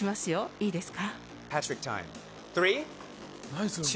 いいですか。